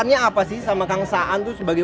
ini apa sih sama kang sa range